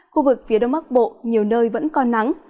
khu vực phía đông bắc bộ nhiều nơi vẫn còn nắng